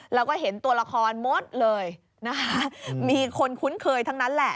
แล้วก็เห็นตัวละครหมดเลยนะคะมีคนคุ้นเคยทั้งนั้นแหละ